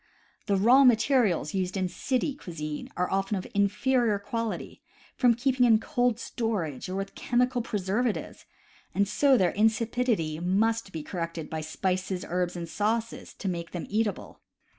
The raw materials used in city cuisine are often of inferior quality, from keeping in cold storage or with chemical preservatives; so their insipidity must be corrected by spices, herbs, and sauces, to make them eatable.